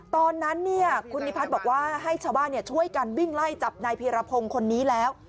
ตอนนั้นคุณนิพัฒน์บอกว่าให้ชาวบ้านช่วยกันวิ่งไล่จับนายพีรพงศ์คนนี้แล้ว